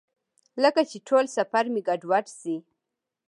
لکه چې ټول سفر مې ګډوډ شي.